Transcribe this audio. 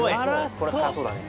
これは辛そうだね